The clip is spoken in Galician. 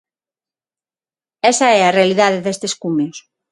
Esa é a realidade destes cumios.